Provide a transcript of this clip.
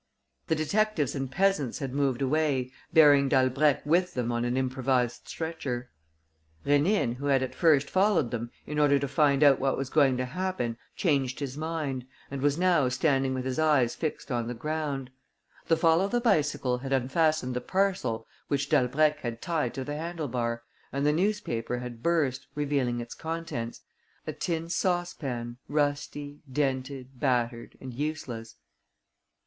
The detectives and peasants had moved away, bearing Dalbrèque with them on an improvised stretcher. Rénine, who had at first followed them, in order to find out what was going to happen, changed his mind and was now standing with his eyes fixed on the ground. The fall of the bicycle had unfastened the parcel which Dalbrèque had tied to the handle bar; and the newspaper had burst, revealing its contents, a tin saucepan, rusty, dented, battered and useless.